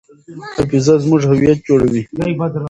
حافظه زموږ هویت جوړوي.